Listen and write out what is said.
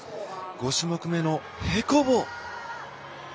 ５種目めの平行棒。